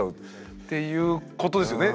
っていうことですよね。